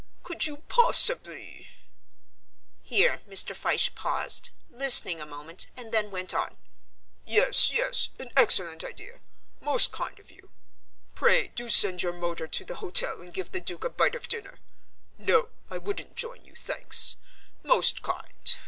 Could you possibly " Here Mr. Fyshe paused, listening a moment, and then went on, "Yes, yes; an excellent idea most kind of you. Pray do send your motor to the hotel and give the Duke a bite of dinner. No, I wouldn't join you, thanks. Most kind.